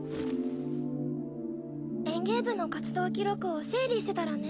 園芸部の活動記録を整理してたらね